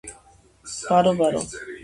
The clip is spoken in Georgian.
ბარო ბარო